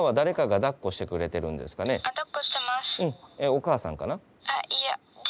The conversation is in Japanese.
お母さんかな？